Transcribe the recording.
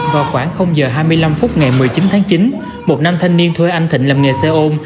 vào khoảng h hai mươi năm phút ngày một mươi chín tháng chín một nam thanh niên thuê anh thịnh làm nghề xe ôm